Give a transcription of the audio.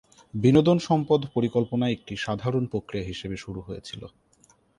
বিনোদন সম্পদ পরিকল্পনা একটি সাধারণ প্রক্রিয়া হিসেবে শুরু হয়েছিল।